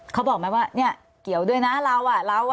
เขาบอกมั้ยว่าเกี่ยวด้วยนะ